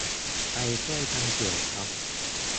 ไปช่วยกันเขียนครับ